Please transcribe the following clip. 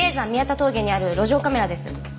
峠にある路上カメラです。